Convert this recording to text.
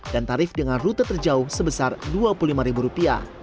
dan tarif dengan rute terjauh sebesar rp dua puluh lima